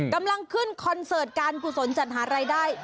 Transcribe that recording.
กำลังขึ้นคอนเสิร์ตการผู้สนจันทรายได้